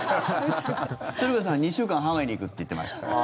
鶴瓶さん、２週間ハワイに行くって言ってました。